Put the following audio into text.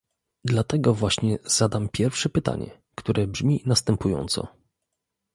Dlatego właśnie zadam pierwsze pytanie, które brzmi następująco